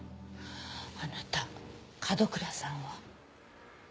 あなた角倉さんは？